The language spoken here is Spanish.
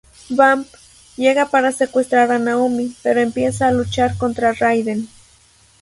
Vamp llega para secuestrar a Naomi, pero empieza a luchar contra Raiden.